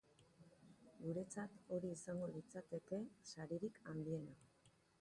Guretzat, hori izango litzateke saririk handiena.